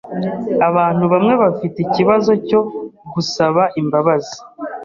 Abantu bamwe bafite ikibazo cyo gusaba imbabazi.